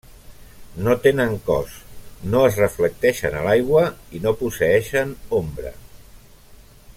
No tenen cos, no es reflecteixen a l'aigua, i no posseeixen ombra.